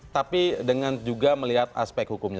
tapi dengan juga melihat aspek hukumnya